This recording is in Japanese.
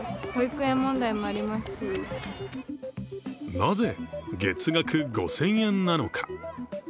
なぜ月額５０００円なのか。